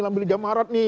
lampil jam marat nih